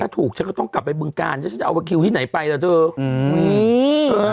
แต่ถ้าถูกฉันก็ต้องกลับไปบึงกาลถ้าฉันจะเอาไปคิวที่ไหนไปล่ะเถอะ